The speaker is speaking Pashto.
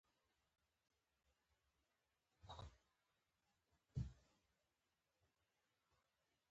دښتې د ښاري پراختیا یو سبب دی.